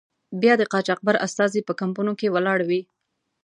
بیا د قاچاقبر استازی په کمپونو کې ولاړ وي.